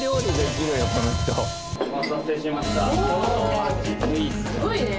すごいね。